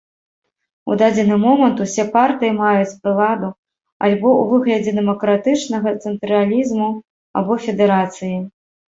У дадзены момант усе партыі маюць прыладу альбо ў выглядзе дэмакратычнага цэнтралізму, альбо федэрацыі.